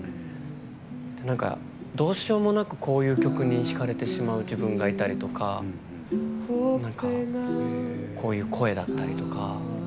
なんか、どうしようもなくこういう曲に引かれてしまう自分がいたりとかこういう声だったりとか。